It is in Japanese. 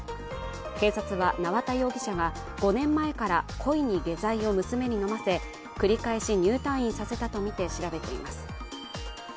警察は縄田容疑者が５年前から故意に下剤を娘に飲ませ繰り返し入退院させたとみて調べています。